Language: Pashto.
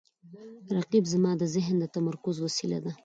رقیب زما د ذهن د تمرکز وسیله ده